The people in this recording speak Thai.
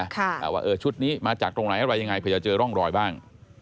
ว่าเออชุดนี้มาจากตรงไหนอะไรยังไงเผื่อจะเจอร่องรอยบ้าง